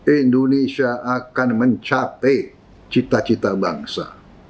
indonesia akan mencapai cita cita bangsa